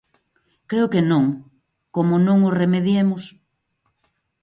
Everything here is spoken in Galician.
Creo que non... como non o remediemos.